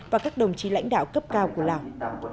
và các đồng chí lãnh đạo cấp cao của lào